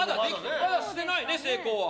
まだしてないね、成功は。